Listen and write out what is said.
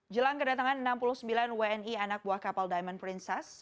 jelang kedatangan enam puluh sembilan wni anak buah kapal diamond princess